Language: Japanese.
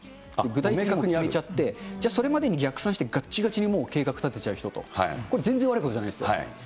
具体的に、それまでに逆算して、がっちがちに計画立てちゃう人と、これ、全然悪いことじゃないですよ。